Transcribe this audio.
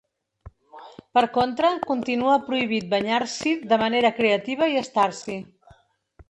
Per contra, continua prohibit banyar-s’hi de manera creativa i estar-s’hi.